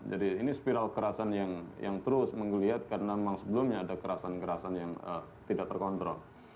jadi ini spiral kerasan yang terus mengguliat karena memang sebelumnya ada kerasan kerasan yang tidak terkontrol